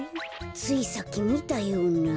ついさっきみたような。